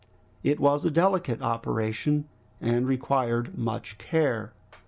It was a delicate operation, and required much care.